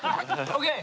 ＯＫ。